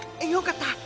よかった。